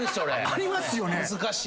ありますよね。